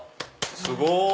すごい！